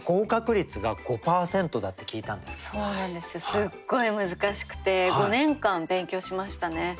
すっごい難しくて５年間勉強しましたね。